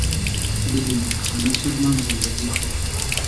بیدیم اېلخانی چیز نام زیندئگی خو